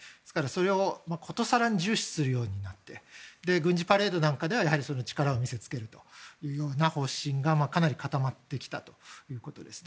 それをことさらに重視するようになって軍事パレードなんかでは力を見せつけるという方針がかなり固まってきたということです。